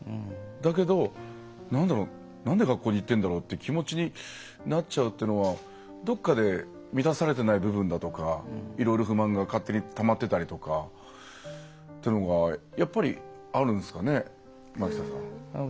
だけど、なんで学校に行ってるんだろうって気持ちになっちゃうっていうのはどっかで満たされてない部分だとかいろいろ不満が勝手にたまってたりだとかっていうのがやっぱりあるんですかね前北さん。